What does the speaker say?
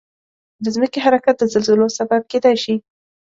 د ځمکې حرکت د زلزلو سبب کېدای شي.